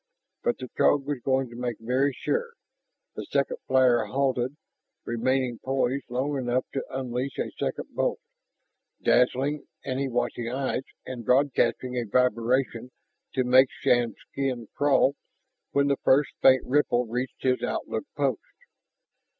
But the Throg was going to make very sure. The second flyer halted, remaining poised long enough to unleash a second bolt dazzling any watching eyes and broadcasting a vibration to make Shann's skin crawl when the last faint ripple reached his lookout post.